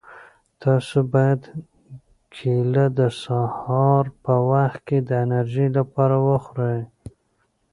تاسو باید کیله د سهار په وخت کې د انرژۍ لپاره وخورئ.